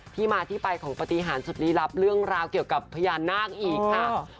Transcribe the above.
ที่มาที่ไปของปฏิหารสุดลี้ลับเรื่องราวเกี่ยวกับพญานาคอีกค่ะ